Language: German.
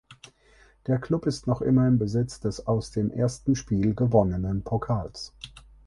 Der Klub ist noch immer im Besitz des aus dem ersten Spiel gewonnenen Pokals.